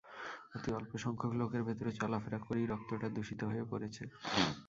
অতি অল্পসংখ্যক লোকের ভেতরে চলাফেরা করেই রক্তটা দূষিত হয়ে পড়েছে।